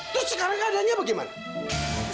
terus sekarang keadaannya bagaimana